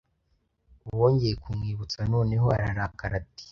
Bongeye kumwibutsa noneho ararakara ati: